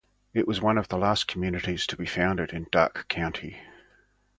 It was one of the last communities to be founded in Darke County.